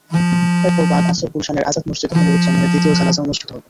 এরপর বাদ আসর গুলশানের আজাদ মসজিদে মনিরুজ্জামানের দ্বিতীয় জানাজা অনুষ্ঠিত হবে।